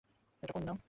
এটা কোন নাম?